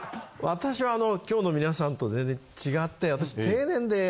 私は今日のみなさんと全然違って私。